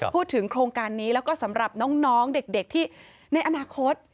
โครงการนี้แล้วก็สำหรับน้องเด็กที่ในอนาคต